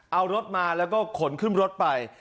เอารถมาแล้วก็ขนขึ้นรถไป